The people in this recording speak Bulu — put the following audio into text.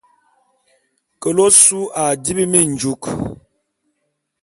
Kele ôsu a dibi minjuk.